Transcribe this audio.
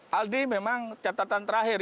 hai aldi memang catatan terakhir